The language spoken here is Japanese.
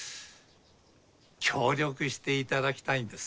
協力していただきたいんです。